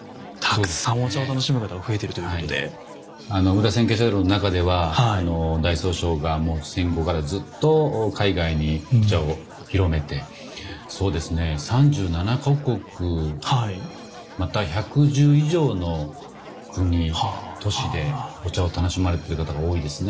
裏千家茶道の中では大宗匠が戦後からずっと海外にお茶を広めてそうですね３７か国また１１０以上の国都市でお茶を楽しまれてる方が多いですね。